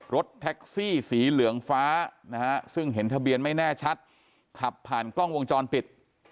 รถแท็กซี่สีเหลืองฟ้านะฮะซึ่งเห็นทะเบียนไม่แน่ชัดขับผ่านกล้องวงจรปิด